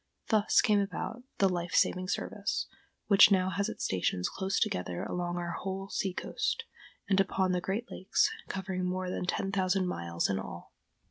Thus came about the Life Saving Service, which now has its stations close together along our whole sea coast, and upon the great lakes, covering more than ten thousand miles in all.